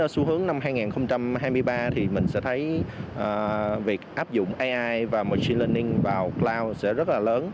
xu hướng năm hai nghìn hai mươi ba thì mình sẽ thấy việc áp dụng ai và margin vào cloud sẽ rất là lớn